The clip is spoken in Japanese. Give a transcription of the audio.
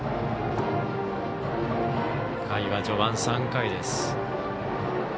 回は序盤、３回です。